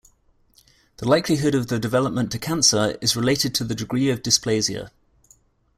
The likelihood of the development to cancer is related to the degree of dysplasia.